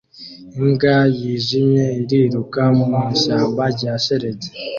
Imbwa yijimye iriruka mu ishyamba rya shelegi